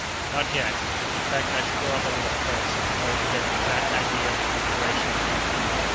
"Not yet. In fact, I shall go up a little, first, in order to get an exact idea of the configuration of the country."